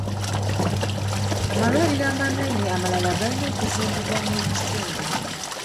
Amalwaliro amanene amalala galina okuzimbibwa mu kitundu.